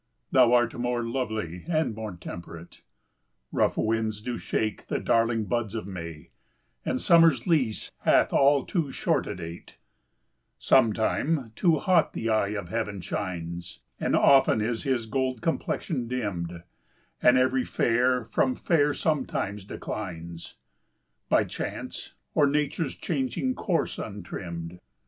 Thou art more lovely and more temperate: Rough winds do shake the darling buds of May, And summer's lease hath all too short a date: Sometime too hot the eye of heaven shines, And often is his gold complexion dimm'd, And every fair from fair sometime declines, By chance, or nature's changing course, untrimm'd.